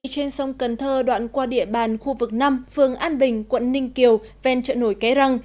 trên sông cần thơ đoạn qua địa bàn khu vực năm phường an bình quận ninh kiều ven trợ nổi ké răng